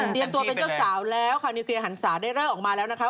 ตัวเป็นเจ้าสาวแล้วค่ะนิวเคลียร์หันศาได้เลิกออกมาแล้วนะคะ